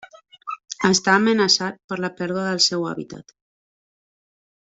Està amenaçat per la pèrdua del seu hàbitat.